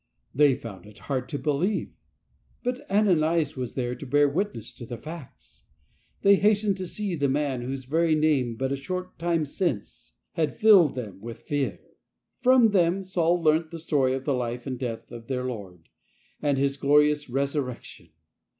They found it hard to believe, but Ananias was there to bear witness to the facts. They hastened to see the man whose very name but a short time since had filled them with fear. From them Saul learnt the story of the life and death of their Lord, and His glorious Resurrection.